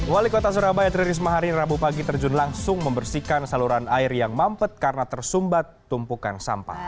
wali kota surabaya tri risma hari rabu pagi terjun langsung membersihkan saluran air yang mampet karena tersumbat tumpukan sampah